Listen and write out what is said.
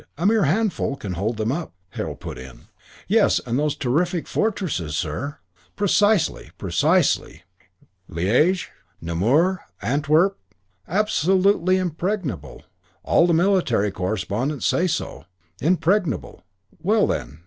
A mere handful can hold them up " Harold put in, "Yes, and those terrific fortresses, sir." "Precisely. Precisely. Liége, Namur, Antwerp absolutely impregnable, all the military correspondents say so. Impregnable. Well, then.